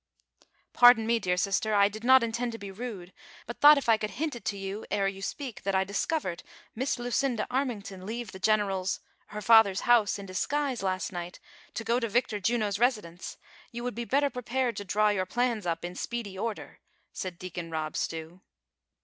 " Pardon me, dear sister, I did not intend to be rude, but thought if I could hint it to you, ere you speak, that I discovered Miss Lucinda Armingtou leave the general's — her father's— house, in disguise, last night, to go to Victor Juno's residence, you would be better prepared to draw your plans up in speedy order," said Deacon Rob Stev